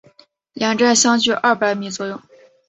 两站相距二百米左右。